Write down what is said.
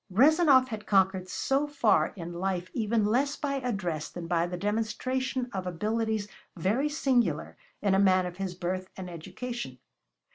Rezanov had conquered so far in life even less by address than by the demonstration of abilities very singular in a man of his birth and education.